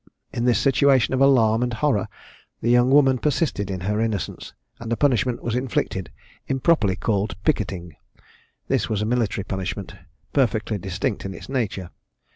In this situation of alarm and horror, the young woman persisted in her innocence: and a punishment was inflicted, improperly called picketing. That was a military punishment, perfectly distinct in its nature.